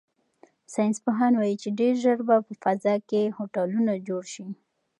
ساینس پوهان وایي چې ډیر ژر به په فضا کې هوټلونه جوړ شي.